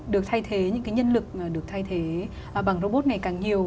được thay thế những nhân lực được thay thế bằng robot ngày càng nhiều